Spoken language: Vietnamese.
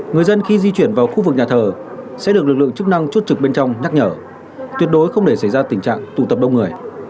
người dân khi di chuyển vào khu vực nhà thờ sẽ được lực lượng chức năng chốt trực bên trong nhắc nhở tuyệt đối không để xảy ra tình trạng tụ tập đông người